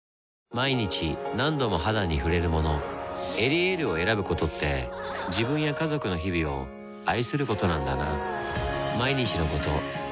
毎日何度も肌に触れるもの「エリエール」を選ぶことって自分や家族の日々を愛することなんだなぁ